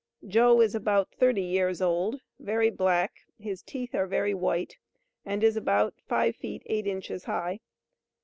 JOE is about 30 years old, very black, his teeth are very white, and is about five feet eight inches high.